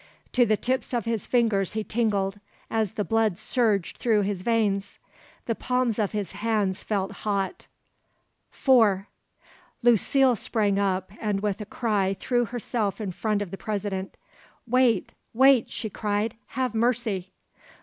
To the tips of his fingers he tingled, as the blood surged through his veins; the palms of his hands felt hot. "Four!" Lucile sprang up, and with a cry threw herself in front of the President "Wait, wait!" she cried. "Have mercy!"